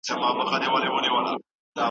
طبي ریکارډ خونې څنګه دي؟